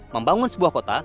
membangun sebuah kota